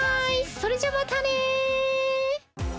それじゃまたね！